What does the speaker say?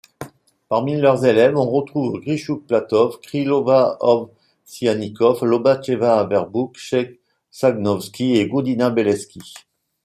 Parmi leurs élèves, on retrouve Grichtchouk-Platov, Krylova-Ovsyannikov, Lobacheva-Averbukh, Chait-Sakhnovsky et Gudina-Beletsky.